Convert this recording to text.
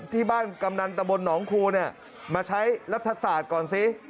ที่บ้านกำนันตะบนหนองคูมาใช้รัฐศาสตร์ก่อนสิ